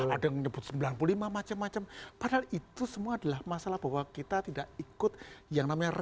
ada yang menyebut sembilan puluh lima macam macam padahal itu semua adalah masalah bahwa kita tidak ikut yang namanya